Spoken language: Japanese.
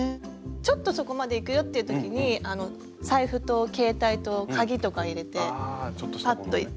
ちょっとそこまで行くよっていうときに財布と携帯と鍵とか入れてパッと行って。